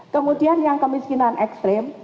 kemudian yang kemiskinan ekstrim